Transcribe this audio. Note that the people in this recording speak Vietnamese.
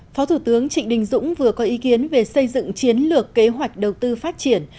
phó thủ tướng trịnh đình dũng vừa có ý kiến về xây dựng chiến lược kế hoạch đầu tư phát triển